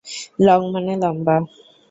Long মানে লম্বা।